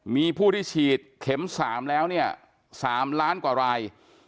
มีผู้ที่ฉีดเข็ม๓แล้วเนี่ย๓ล้านกว่าราย